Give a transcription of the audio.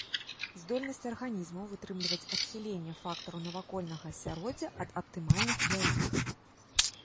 Здольнасць арганізмаў вытрымліваць адхіленне фактараў навакольнага асяроддзя ад аптымальных для іх.